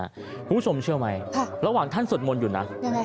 คุณผู้ชมเชื่อไหมระหว่างท่านสวดมนต์อยู่นะ